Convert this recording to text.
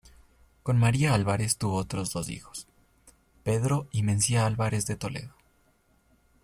Con María Álvarez tuvo otros dos hijos, Pedro y Mencía Álvarez de Toledo.